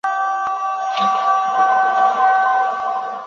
南直隶辛卯乡试。